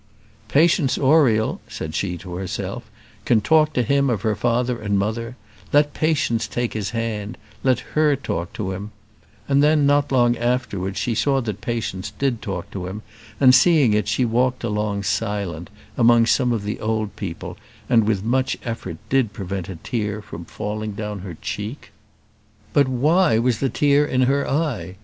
"Patience Oriel," said she to herself, "can talk to him of her father and mother: let Patience take his hand; let her talk to him;" and then, not long afterwards, she saw that Patience did talk to him; and seeing it, she walked along silent, among some of the old people, and with much effort did prevent a tear from falling down her cheek. But why was the tear in her eye?